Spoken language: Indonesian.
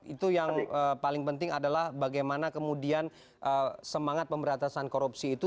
itu yang paling penting adalah bagaimana kemudian semangat pemberantasan korupsi itu